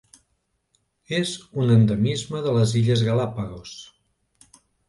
És un endemisme de les illes Galápagos.